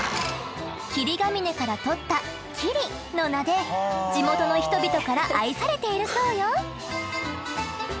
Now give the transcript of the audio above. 霧ヶ峰から取った「ｋｉｒｉ」の名で地元の人々から愛されているそうよ！